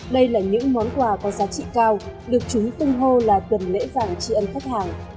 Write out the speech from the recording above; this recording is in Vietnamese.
đây là những món quà có giá trị cao được chúng tung hô là tuần lễ vàng trị ân khách hàng